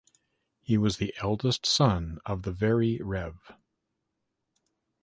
He was the eldest son of the Very Rev.